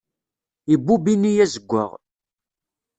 Ibubb ini azeggaɣ.